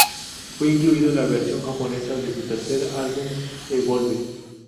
Fue incluido en la versión japonesa de su tercer álbum Evolve.